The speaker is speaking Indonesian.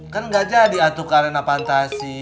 kan nggak jadi waktu kalena fantasi